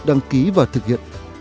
đăng ký và thực hiện